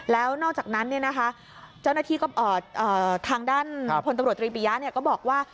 แล้วนอกจากนั้นเจ้าหน้าที่ทางด้านพลตำรวจตรีปิยะก็บอกว่า